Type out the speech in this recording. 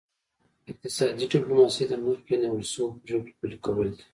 اقتصادي ډیپلوماسي د مخکې نیول شوو پریکړو پلي کول دي